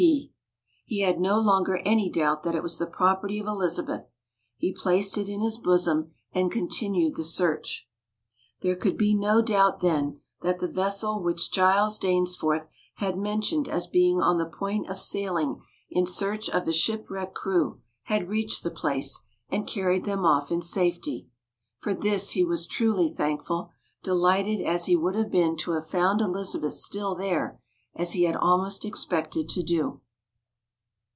P." He had no longer any doubt that it was the property of Elizabeth. He placed it in his bosom and continued the search. There could be no doubt then, that the vessel which Giles Dainsforth had mentioned as being on the point of sailing in search of the shipwrecked crew had reached the place, and carried them off in safety. For this he was truly thankful, delighted as he would have been to have found Elizabeth still there, as he had almost expected to do.